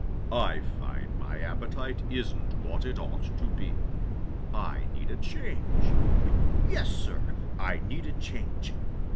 "I find my appetite isn't what it ought to be. I need a change. Yes, Sir, I need a change.